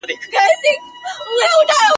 زه به درځم چي په ارغند کي زرغونې وي وني ..